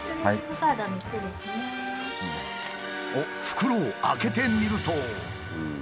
袋を開けてみると。